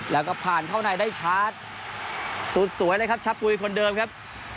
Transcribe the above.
แล้วก็ผ่านเข้าในได้ชาร์จสุดสวยเลยครับชะปุยคนเดิมครับ